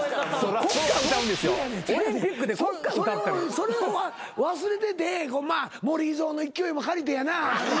それを忘れてて森伊蔵の勢いも借りてやな。